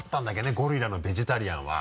ゴリラのベジタリアンは。